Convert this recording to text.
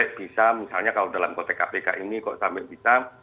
kok sampai bisa misalnya kalau dalam kotek kpk ini kok sampai bisa